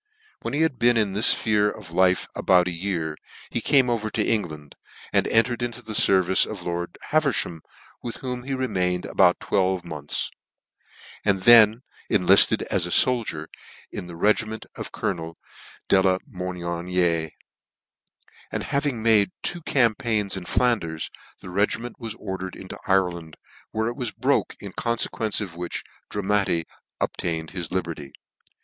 When he had been in this fphere of life about a year, he came over to England, and en tered into the fervice of lord Haverfham, with whom he remained about twelve months, and then enlifted as a foldier in the regiment of Colo nel De la Meloniere; and having made two cam paigns in Flanders, the regiment was ordered ^into Ireland, where it was broke, in confequence of which Dramatti obtained his liberty.